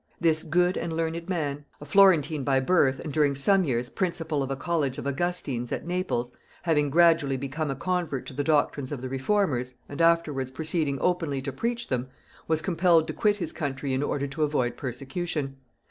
This good and learned man, a Florentine by birth and during some years principal of a college of Augustines at Naples, having gradually become a convert to the doctrines of the reformers, and afterwards proceeding openly to preach them, was compelled to quit his country in order to avoid persecution.